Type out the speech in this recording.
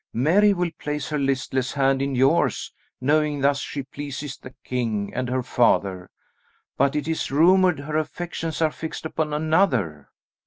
Mary will place her listless hand in yours, knowing thus she pleases the king and her father, but it is rumoured her affections are fixed upon another."